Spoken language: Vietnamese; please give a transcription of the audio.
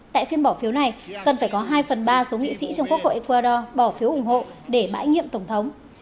tại phiên bỏ phiếu này cần phải có hai phần ba số nghị sĩ trong quốc hội ecuador bỏ phiếu ủng hộ để bãi nhiệm tổng thống